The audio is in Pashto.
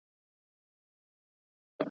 ژوند که ورته غواړې وایه وسوځه .